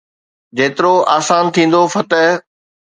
جيترو آسان ٿيندو فتح.